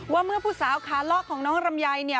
ว่าเมื่อผู้สาวขาเลาะของน้องลำไยเนี่ย